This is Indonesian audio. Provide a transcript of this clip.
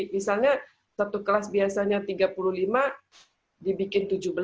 misalnya satu kelas biasanya tiga puluh lima dibikin tujuh belas